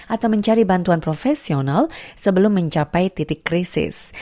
atau mencari bantuan profesional sebelum mencapai titik krisis